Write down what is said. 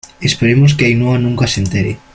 esperemos que Ainhoa nunca se entere